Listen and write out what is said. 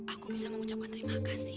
aku bisa mengucapkan terima kasih